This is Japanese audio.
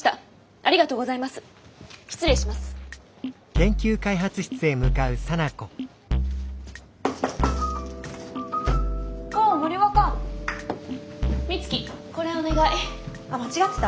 あっ間違ってた？